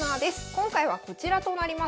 今回はこちらとなります。